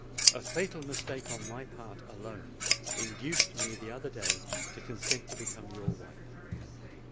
A fatal mistake on my part alone induced me the other day to consent to become your wife.